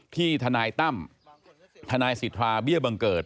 พี่ธนายตั้มธนายศิษภาเบี้ยบังเกิด